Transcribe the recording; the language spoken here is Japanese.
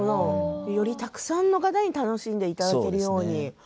よりたくさんの方に楽しんでいただけるように。